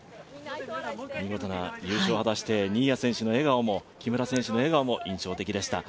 見事な優勝を果たして新谷選手の笑顔も木村選手の笑顔も印象的でした。